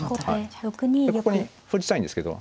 ここに歩打ちたいんですけど。